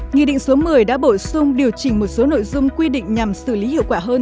nghị định số một mươi đã bổ sung điều chỉnh một số nội dung quy định nhằm xử lý hiệu quả hơn